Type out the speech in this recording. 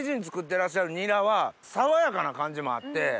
てらっしゃるニラは爽やかな感じもあって。